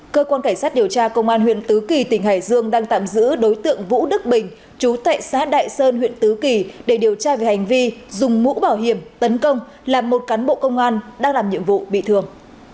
cơ quan cảnh sát điều tra công an huyện tứ kỳ tỉnh hải dương đang tạm giữ đối tượng vũ đức bình chú tệ xá đại sơn huyện tứ kỳ để điều tra về hành vi dùng mũ bảo hiểm tấn công làm một cán bộ công an đang làm nhiệm vụ bị thương